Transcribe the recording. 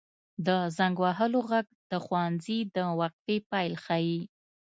• د زنګ وهلو ږغ د ښوونځي د وقفې پیل ښيي.